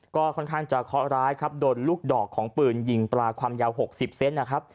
ก็ค่อนข้างจะเคาะร้ายครับโดนลูกดอกของปืนยิงปลาความยาว๖๐เซนต์นะครับ